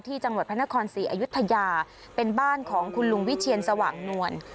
จังหวัดพระนครศรีอยุธยาเป็นบ้านของคุณลุงวิเชียนสว่างนวล